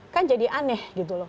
kan jadi aneh gitu loh